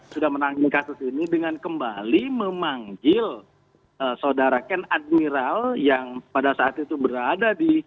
sudah menangani kasus ini dengan kembali memanggil saudara ken admiral yang pada saat itu berada di